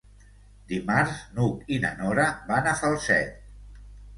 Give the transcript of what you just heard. Dimarts n'Hug i na Nora van a Falset.